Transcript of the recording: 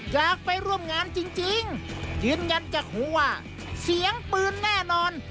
อยากไปร่วมงานจริงยืนยันจากหูว่าเสียงปืนแน่นอน